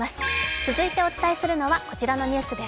続いてお伝えするのはこちらのニュースです。